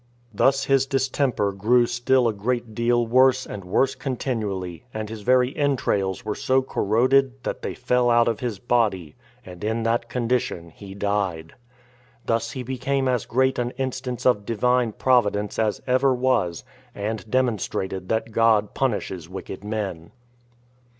This his distemper grew still a great deal worse and worse continually, and his very entrails were so corroded, that they fell out of his body, and in that condition he died. Thus he became as great an instance of Divine Providence as ever was, and demonstrated that God punishes wicked men.